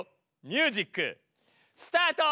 ミュージックスタート！